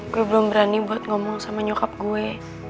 gue belum berani buat ngomong sama nyokap gue